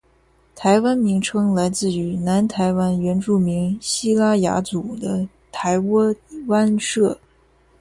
“台湾”名称来自于南台湾原住民西拉雅族的台窝湾社。